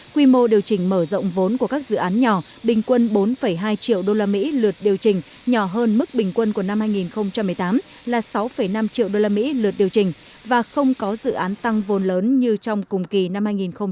quy mô điều chỉnh mở rộng vốn của các dự án nhỏ bình quân bốn hai triệu usd lượt điều chỉnh nhỏ hơn mức bình quân của năm hai nghìn một mươi tám là sáu năm triệu usd lượt điều chỉnh và không có dự án tăng vốn lớn như trong cùng kỳ năm hai nghìn một mươi tám